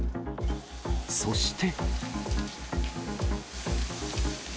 そして。